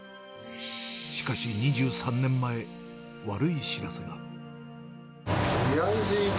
しかし２３年前、悪い知らせが。